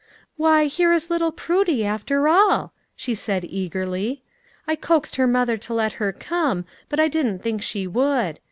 "Why, here is little Prudy, after all," she said eagerly ;" I coaxed her mother to let her come, but I didn't think she would.